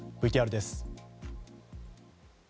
ＶＴＲです。